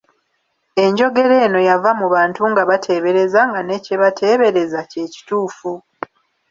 Enjogera eno yava mu Bantu nga bateebereza nga ne kyebateeberezza kye kituufu.